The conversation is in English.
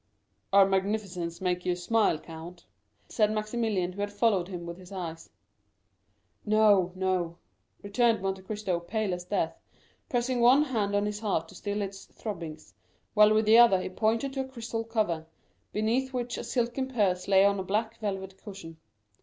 "Our magnificence makes you smile, count," said Maximilian, who had followed him with his eyes. "No, no," returned Monte Cristo, pale as death, pressing one hand on his heart to still its throbbings, while with the other he pointed to a crystal cover, beneath which a silken purse lay on a black velvet cushion.